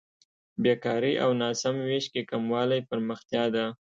بېکارۍ او ناسم وېش کې کموالی پرمختیا ده.